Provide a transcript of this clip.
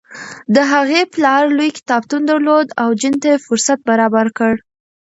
د هغې پلار لوی کتابتون درلود او جین ته یې فرصت برابر کړ.